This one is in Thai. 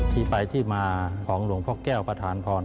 ที่ไปที่มาของหลวงพ่อแก้วประธานพร